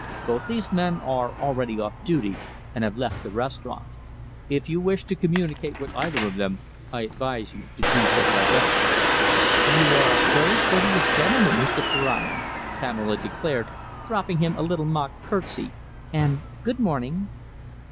Both these men are already off duty and have left the restaurant. If you wish to communicate with either of them, I advise you to do so by letter." "You are a very courteous gentleman, Mr. Ferrani," Pamela declared, dropping him a little mock curtsey, "and good morning!"